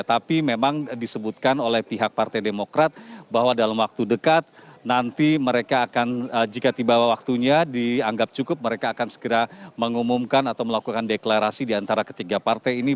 tapi memang disebutkan oleh pihak partai demokrat bahwa dalam waktu dekat nanti mereka akan jika tiba waktunya dianggap cukup mereka akan segera mengumumkan atau melakukan deklarasi diantara ketiga partai ini